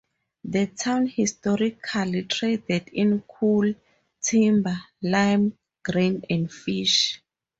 The town historically traded in coal, timber, lime, grain and fish.